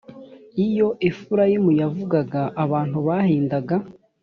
iyo efurayimu yavugaga abantu bahindaga